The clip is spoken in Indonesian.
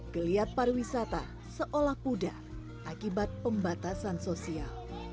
geliat pariwisata seolah pudar akibat pembatasan sosial